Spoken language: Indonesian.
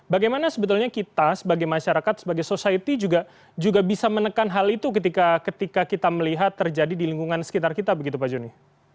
bagaimana sebetulnya kita sebagai masyarakat sebagai society juga bisa menekan hal itu ketika kita melihat terjadi di lingkungan sekitar kita begitu pak joni